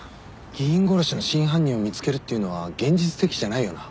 議員殺しの真犯人を見つけるっていうのは現実的じゃないよな。